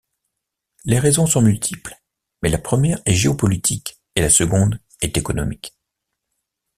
Les raisons sont multiples, mais la première est géopolitique et la seconde est économique.